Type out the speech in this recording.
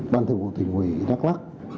ban tỉnh ủy đắk lắc